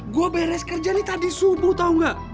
gue beres kerja tadi subuh tau gak